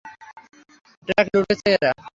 Truck লুটেছে এরা।